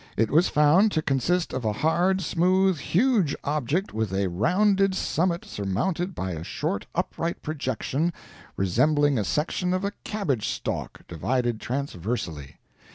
It was found to consist of a hard, smooth, huge object with a rounded summit surmounted by a short upright projection resembling a section of a cabbage stalk divided transversely.